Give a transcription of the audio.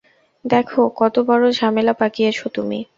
দেখো কত বড় ঝামেলা পাকিয়েছো তুমি।